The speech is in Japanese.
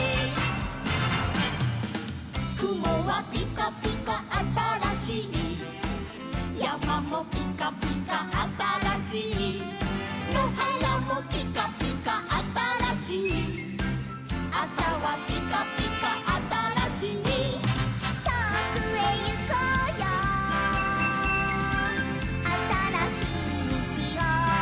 「くもはぴかぴかあたらしい」「やまもぴかぴかあたらしい」「のはらもぴかぴかあたらしい」「あさはぴかぴかあたらしい」「とおくへゆこうよあたらしいみちを」